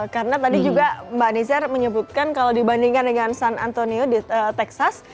karena tadi juga mbak nizer menyebutkan kalau dibandingkan dengan san antonio di texas